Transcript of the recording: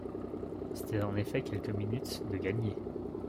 C’étaient en effet quelques minutes de gagnées.